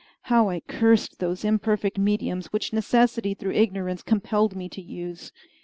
How I cursed those imperfect mediums which necessity through ignorance compelled me to use!